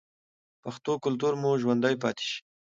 پښتو کلتور مو ژوندی پاتې شي.